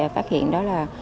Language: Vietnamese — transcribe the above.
phát hiện đó là